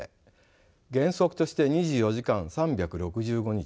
原則として２４時間３６５日